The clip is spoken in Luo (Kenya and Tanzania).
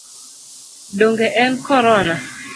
Donge en Korona?